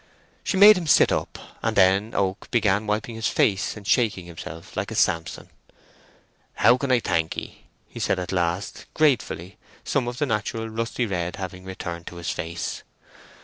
She made him sit up, and then Oak began wiping his face and shaking himself like a Samson. "How can I thank 'ee?" he said at last, gratefully, some of the natural rusty red having returned to his face.